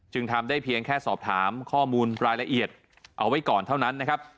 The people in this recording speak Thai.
ทำได้เพียงแค่สอบถามข้อมูลรายละเอียดเอาไว้ก่อนเท่านั้นนะครับ